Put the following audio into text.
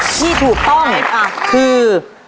ที่ถูกต้องคือ